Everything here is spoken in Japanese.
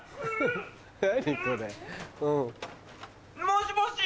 もしもし？